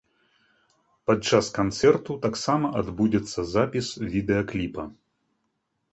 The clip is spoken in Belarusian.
Падчас канцэрту таксама адбудзецца запіс відэакліпа.